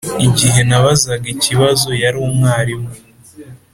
igihe nabazaga ikibazo, yari umwarimu.